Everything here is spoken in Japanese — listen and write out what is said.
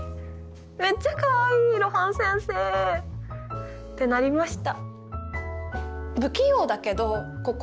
めっちゃかわいい露伴先生！ってなりました。